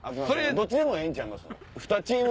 どっちでもええんちゃいますの？